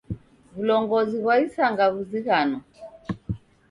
W'ulongozi ghwa isanga ghuzighano.